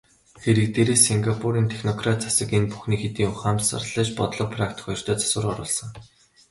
Хэрэг дээрээ Сингапурын технократ засаг энэ бүхнийг хэдийн ухамсарлаж бодлого, практик хоёртоо засвар оруулсан.